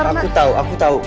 aku tau aku tau